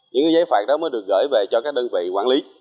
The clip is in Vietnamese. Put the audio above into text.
những giấy phạt đó mới được gửi về cho các đơn vị quản lý